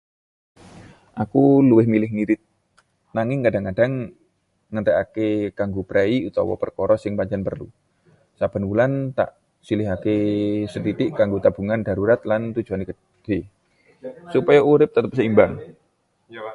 Aku luwih milih ngirit, nanging kadhang-kadhang ngentekake kanggo prei utawa perkara sing pancen perlu. Saben wulan tak sisihake sethitik kanggo tabungan darurat lan tujuan gedhe, supaya urip tetep seimbang.